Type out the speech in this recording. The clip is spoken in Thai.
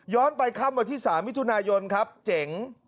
ไปค่ำวันที่๓มิถุนายนครับเจ๋ง